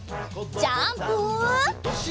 ジャンプ！